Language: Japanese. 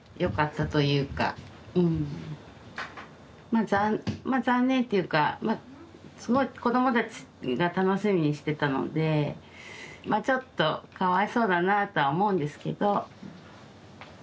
まあまあ残念っていうかまあすごい子どもたちが楽しみにしてたのでまあちょっとかわいそうだなあとは思うんですけど。